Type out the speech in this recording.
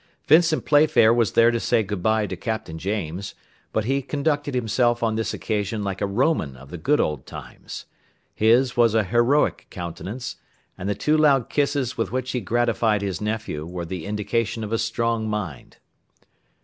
Vincent Playfair was there to say good bye to Captain James, but he conducted himself on this occasion like a Roman of the good old times. His was a heroic countenance, and the two loud kisses with which he gratified his nephew were the indication of a strong mind.